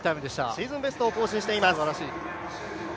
シーズンベストを更新しています。